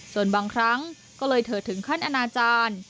ส่วนบางครั้งก็เลยเธอถึงขั้นอนาจารย์